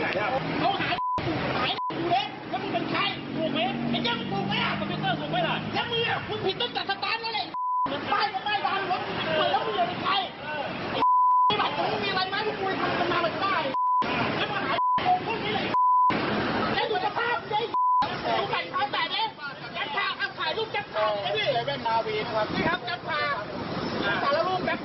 เทียงกันไปมา